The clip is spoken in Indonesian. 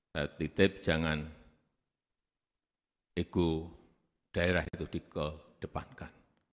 sehat titip jangan ego daerah itu dikedepankan